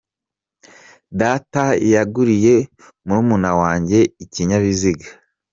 Data yaguriye murumuna wanjye ikinyabiziga.